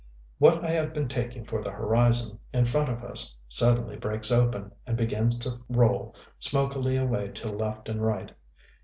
What I have been taking for the horizon, in front of us, suddenly breaks open, and begins to roll smokily away to left and right.